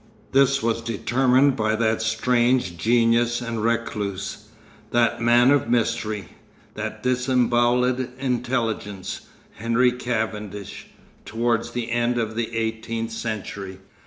This was determined by that strange genius and recluse, that man of mystery, that disembowelled intelligence, Henry Cavendish, towards the end of the eighteenth century.